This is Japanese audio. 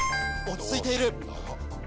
落ち着いている！